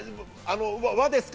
和ですか？